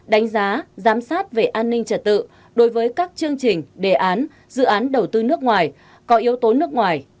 đánh giá giám sát về an ninh trật tự đối với các chương trình đề án dự án đầu tư nước ngoài có yếu tố nước ngoài